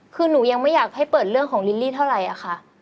คือหนูยังไม่อยากให้เปิดเรื่องของลิลลี่เท่าไรอะค่ะ